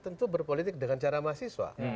tentu berpolitik dengan cara mahasiswa